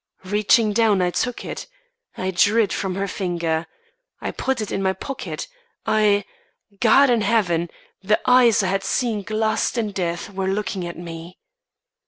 Reaching down, I took it. I drew it from her finger; I put it in my pocket; I God in heaven! The eyes I had seen glassed in death were looking at me.